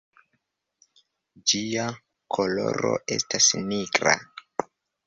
Ĝia koloro estas nigra.